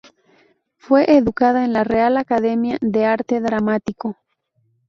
Fue educada en la Real Academia de Arte Dramático.